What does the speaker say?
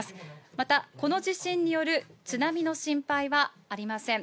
また、この地震による津波の心配はありません。